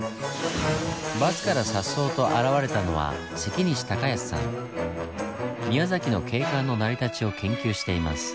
バスからさっそうと現れたのは宮崎の景観の成り立ちを研究しています。